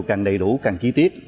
càng đầy đủ càng kỹ tiết